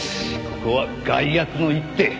ここは外圧の一手。